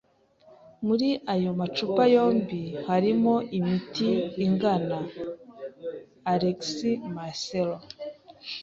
Muri ayo macupa yombi harimo imiti ingana. (alexmarcelo)